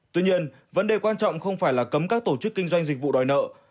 tuy nhiên vấn đề quan trọng không phải là cấm các tổ chức kinh doanh dịch vụ đòi nợ